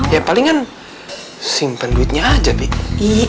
ya palingan simpen duitnya aja bik